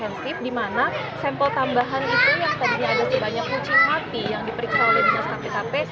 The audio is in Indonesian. karena ini adalah satu sampel yang sangat berhensif di mana sampel tambahan itu yang tadinya ada sebanyak kucing mati yang diperiksa oleh dinas kpkp